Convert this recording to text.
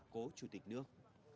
của chủ tịch nước